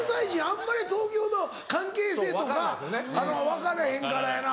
あんまり東京の関係性とか分からへんからやな。